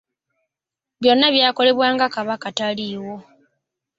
Byonna byakolebwa nga Kabaka taliiwo.